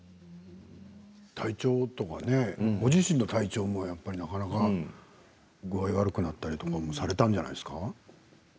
体調とかご自身の体調もなかなか具合が悪くなったりとかもされたんじゃないですか？